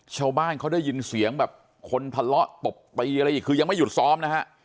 เขาได้ยินเสียงแบบคนทาระตบไปอะไรอีกคือยังไม่หยุดซ้อมนะฮะ